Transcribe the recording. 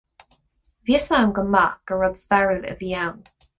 Bhí a fhios agam go maith gur rud stairiúil a bhí ann.